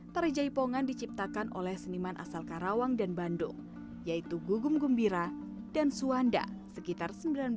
tari jaipongan diciptakan oleh seniman asal karawang dan bandung yaitu gugum gembira dan suwanda sekitar seribu sembilan ratus sembilan puluh